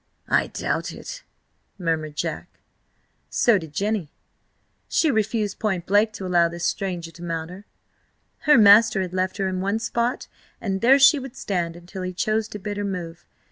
"I doubt it," murmured Jack. So did Jenny. She refused point blank to allow this stranger to mount her. Her master had left her in one spot, and there she would stand until he chose to bid her move.